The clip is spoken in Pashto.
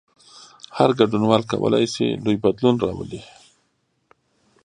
هر ګډونوال کولای شي لوی بدلون راولي.